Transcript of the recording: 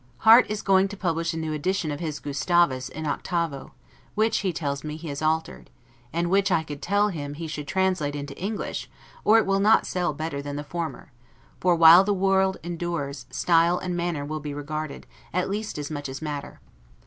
Harte is going to publish a new edition of his "Gustavus," in octavo; which, he tells me, he has altered, and which, I could tell him, he should translate into English, or it will not sell better than the former; for, while the world endures, style and manner will be regarded, at least as much as matter.